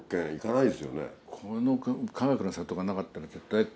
このかがくの里がなかったら。